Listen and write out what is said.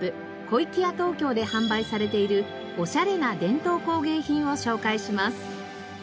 小粋屋東京で販売されているおしゃれな伝統工芸品を紹介します。